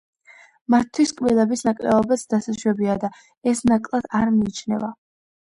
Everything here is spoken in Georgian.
მათთვის კბილების ნაკლებობაც დასაშვებია და ეს ნაკლად არ მიიჩნევა.